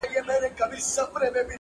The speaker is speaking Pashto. نن په څشي تودوې ساړه رګونه.!